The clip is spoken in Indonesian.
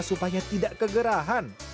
supaya tidak kegerahan